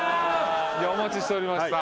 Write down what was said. お待ちしておりました。